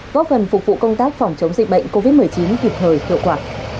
góp gần phục vụ công tác phòng chống dịch bệnh covid một mươi chín hiệp thời hiệu quả